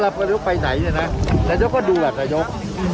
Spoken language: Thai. นายกก็ไปไหนเนี่ยนะนายกก็ดูอะนายก